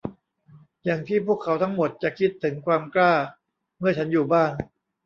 อย่างที่พวกเขาทั้งหมดจะคิดถึงความกล้าเมื่อฉันอยู่บ้าน